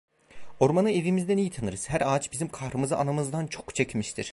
Ormanı evimizden iyi tanırız, her ağaç bizim kahrımızı anamızdan çok çekmiştir.